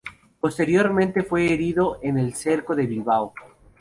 Posteriormente fue herido en el cerco de Bilbao.